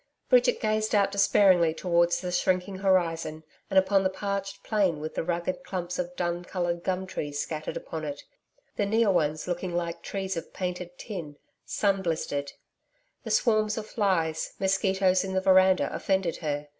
Bridget gazed out despairingly towards the shrinking horizon and upon the parched plain with the rugged clumps of dun coloured gum trees scattered upon it the near ones looking like trees of painted tin, sun blistered. The swarms of flies, mosquitoes in the veranda offended her.